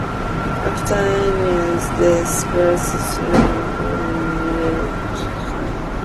After Allen's death, Blasters member Dave Alvin dedicated the song "Mister Lee" to Allen.